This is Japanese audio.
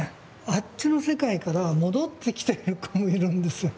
あっちの世界から戻ってきてる子もいるんですよ。